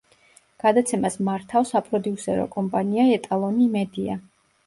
გადაცემას მართვას საპროდიუსერო კომპანია „ეტალონი მედია“.